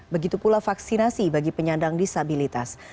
begitu pula vaksinasi bagi penyandang disabilitas